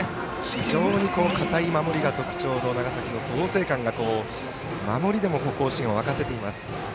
非常に堅い守りが特徴の長崎の創成館が守りでも甲子園を沸かせています。